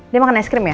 dia makan es krim ya